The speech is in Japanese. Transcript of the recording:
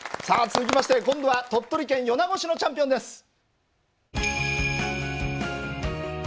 さあ続きまして今度は鳥取県米子市のチャンピオンです。